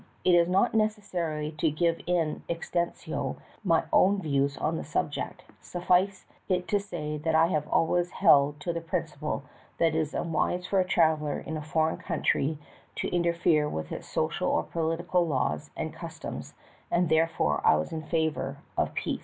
It is not necessary to give in extenso my own views on the subject ; suffice it to say that I have always held to the principal that it is unwise for a traveler in a foreign country to interfere with its social or political laws and cus toms and therefore I was in favor of peace.